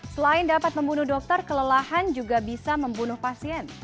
selain dapat membunuh dokter kelelahan juga bisa membunuh pasien